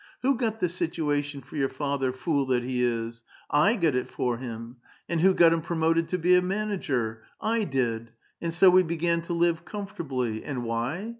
Who got the situation for your ( father, fool that he is? I got it for him. And who got him promoted to be a manager ? I did ; and so we began to live comfortably. And why